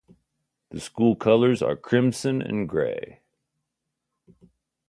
The school colors are crimson and gray.